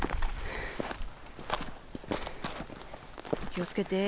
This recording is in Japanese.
気を付けて。